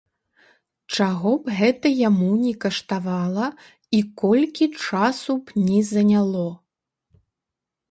Чаго б гэта яму ні каштавала і колькі часу б ні заняло.